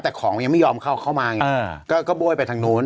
แต่ของมันยังไม่ยอมเข้ามาอย่างเนี่ยก็โบ้ยไปทางนู้น